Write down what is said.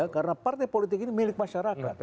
karena partai politik ini milik masyarakat